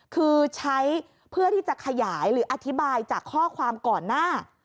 คือใช้เพื่อที่จะขยายหรืออธิบายจากข้อความก่อนหน้า